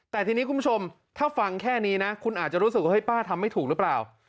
แต่ทีนี้คุณผู้ชมถ้าฟังแค่นี้นะคุณอาจจะรู้สึกว่าเฮ้ป้าทำไม่ถูกหรือเปล่า